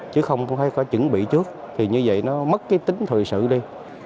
chứ không thấy có chuẩn bị trước thì như vậy nó mất cái tính thời sự đi